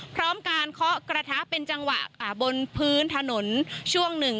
พร้อมการเคาะกระทะเป็นจังหวะบนพื้นถนนช่วงหนึ่ง